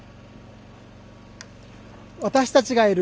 私たちがいる